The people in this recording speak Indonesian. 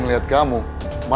eh pak robi